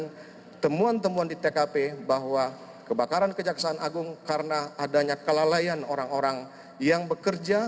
dan temuan temuan di tkp bahwa kebakaran kejaksaan agung karena adanya kelalaian orang orang yang bekerja